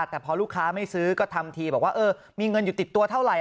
แต่พอลูกค้าไม่ซื้อก็ทำทีบอกว่าเออมีเงินอยู่ติดตัวเท่าไหร